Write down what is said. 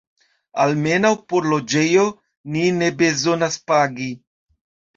Almenaŭ por loĝejo ni ne bezonas pagi.